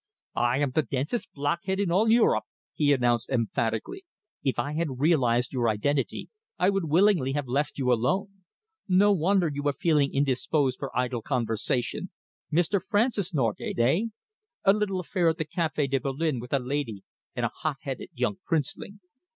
"I am the densest blockhead in all Europe!" he announced emphatically. "If I had realised your identity, I would willingly have left you alone. No wonder you were feeling indisposed for idle conversation! Mr. Francis Norgate, eh? A little affair at the Café de Berlin with a lady and a hot headed young princeling.